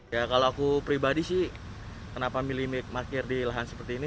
ya kalau aku pribadi sih kenapa milih parkir di lahan seperti ini